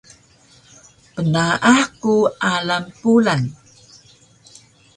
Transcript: Pnaah ku alang Pulan